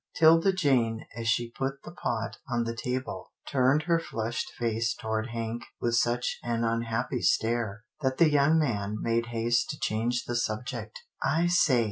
'Tilda Jane, as she put the pot on the table, turned her flushed face toward Hank with such an un happy stare that the young man made haste to change the subject. " I say